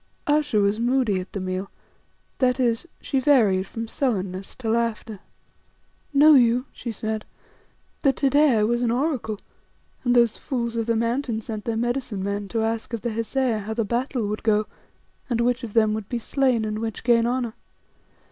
Ayesha was moody at the meal, that is, she varied from sullenness to laughter. "Know you," she said, "that to day I was an Oracle, and those fools of the Mountain sent their medicine men to ask of the Hesea how the battle would go and which of them would be slain, and which gain honour.